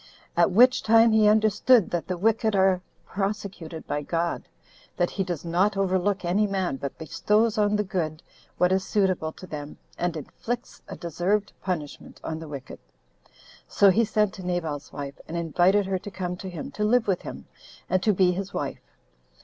At which time he understood that the wicked are prosecuted by God; that he does not overlook any man, but bestows on the good what is suitable to them, and inflicts a deserved punishment on the wicked. So he sent to Nabal's wife, and invited her to come to him, to live with him, and to be his wife.